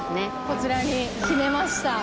こちらに決めました。